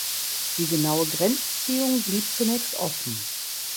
Die genaue Grenzziehung blieb zunächst offen.